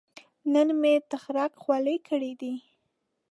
نن مې تخرګ خولې کړې دي